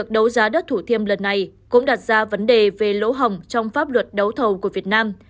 đấu giá đất thủ thiêm lần này cũng đặt ra vấn đề về lỗ hỏng trong pháp luật đấu thầu của việt nam